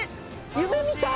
夢みたい！